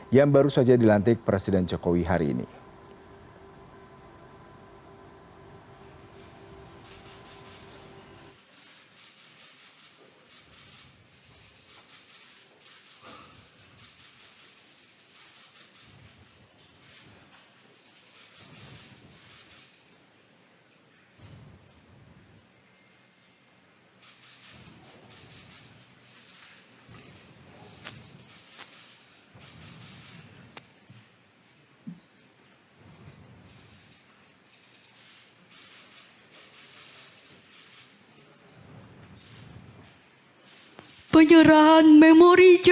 yang baru saja dilantik presiden jokowi hari ini